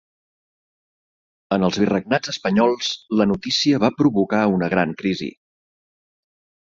En els virregnats espanyols, la notícia va provocar una gran crisi.